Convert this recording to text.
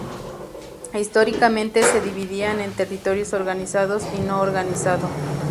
Históricamente se dividían en territorios organizados y No-Organizado.